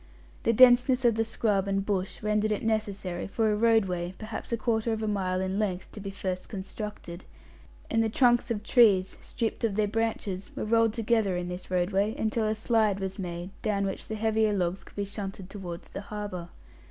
The denseness of the scrub and bush rendered it necessary for a "roadway," perhaps a quarter of a mile in length, to be first constructed; and the trunks of trees, stripped of their branches, were rolled together in this roadway, until a "slide" was made, down which the heavier logs could be shunted towards the harbour.